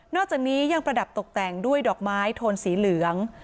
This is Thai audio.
อกจากนี้ยังประดับตกแต่งด้วยดอกไม้โทนสีเหลือง